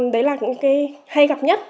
đấy là những cái hay gặp nhất